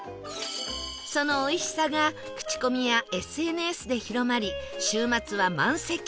そのおいしさが口コミや ＳＮＳ で広まり週末は満席